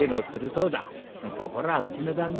ところがうちの旦那